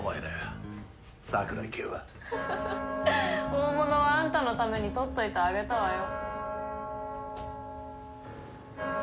大物はあんたのために取っといてあげたわよ。